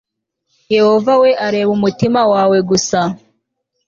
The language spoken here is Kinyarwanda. yehova we areba umutima wawe gusa